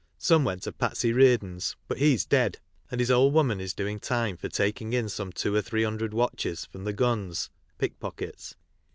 Some went to Patsey Reardon's, but he's dead, and his old woman is doing time for taking in some two or three hundred watches from the "guns" (pickpockets).